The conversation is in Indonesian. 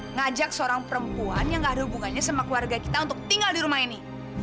ngajak seorang perempuan yang gak ada hubungannya sama keluarga kita untuk tinggal di rumah ini